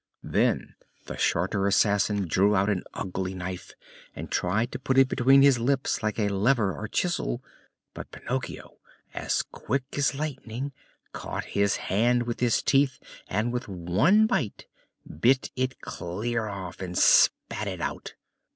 Then the shorter assassin drew out an ugly knife and tried to put it between his lips like a lever or chisel. But Pinocchio, as quick as lightning, caught his hand with his teeth, and with one bite bit it clear off and spat it out.